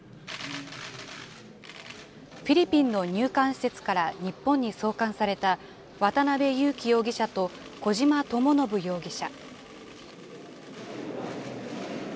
フィリピンの入管施設から日本に送還された渡邉優樹容疑者と小島智信容疑者。